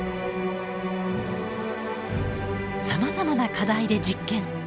さまざまな課題で実験。